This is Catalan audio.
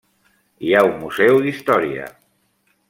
Hi ha un museu d'història.